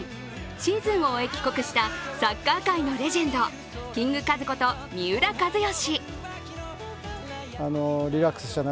シーズンを終え帰国したサッカー界のレジェンド、キングカズこと三浦知良。